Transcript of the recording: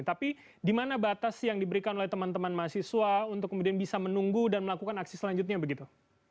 tapi di mana batas yang diberikan oleh teman teman mahasiswa untuk kemudian bisa menunggu dan melakukan aksi selanjutnya begitu